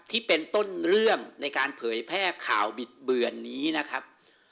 ที่เป็นต้นเรื่องในการเผยแพร่ข่าวบิดเบือนนี้นะครับ